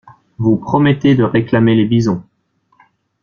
Vous promettez de réclamer les bisons.